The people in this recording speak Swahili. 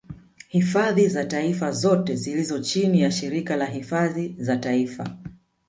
Hifadhi za taifa zote zilizo chini ya shirika la hifadhi za taifa